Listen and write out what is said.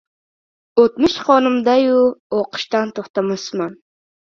O‘tmish qonimda-yu, o‘qishdan to‘xtamasman!